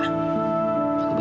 eh kamu duduk dulu ya